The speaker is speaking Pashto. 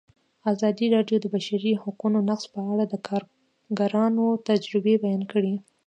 ازادي راډیو د د بشري حقونو نقض په اړه د کارګرانو تجربې بیان کړي.